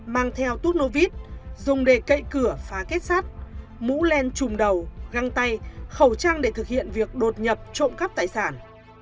mang theo tuốt nốt vít dùng để cậy cửa phá kết sắt mũ len trùm đầu găng tay khẩu trang để thực hiện việc đột nhập trộm cắp tài sản